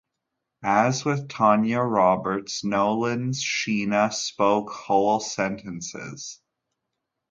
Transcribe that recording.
As with Tanya Roberts, Nolin's Sheena spoke whole sentences.